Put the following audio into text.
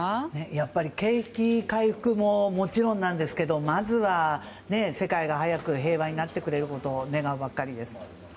やっぱり景気回復ももちろんなんですけどまずは世界が早く平和になってくれることを願うばかりです。